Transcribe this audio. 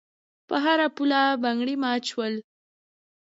په هر پوله بنګړي مات شول.